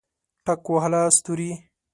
ټک وهله ستوري